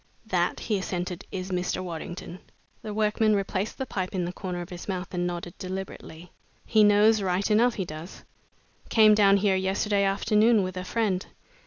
"That," he assented, "is Mr. Waddington." The workman replaced the pipe in the corner of his mouth and nodded deliberately. "He knows right enough, he does. Came down here yesterday afternoon with a friend.